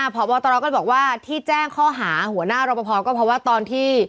พบตรก็บอกว่าที่แจ้งข้อหาหัวหน้ารอปภก็เพราะว่าตอนที่